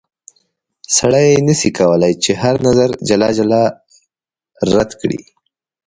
سړی نه سي کولای چې هر نظر جلا جلا رد کړي.